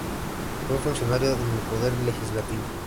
Fue funcionario en el Poder Legislativo.